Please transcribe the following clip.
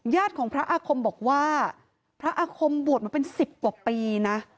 ของพระอาคมบอกว่าพระอาคมบวชมาเป็นสิบกว่าปีนะ